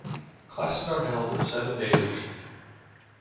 Classes are held seven days a week.